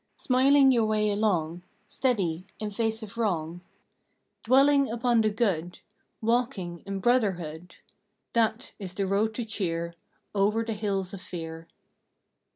Smiling your way along, Steady in face of Wrong. Dwelling upon the good. Walking in Brotherhood That is the Road to Cheer Over the Hills of Fear!